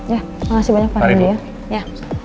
ya terima kasih banyak pak rendy ya